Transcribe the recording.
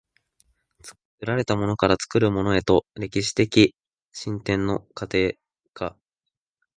作られたものから作るものへとの歴史的進展の過程が、